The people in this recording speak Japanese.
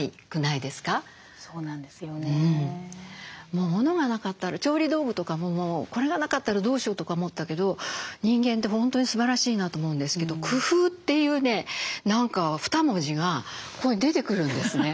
もう物がなかったら調理道具とかももうこれがなかったらどうしようとか思ってたけど人間って本当にすばらしいなと思うんですけど「工夫」というね何か二文字がここに出てくるんですね。